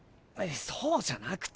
そうじゃなくて。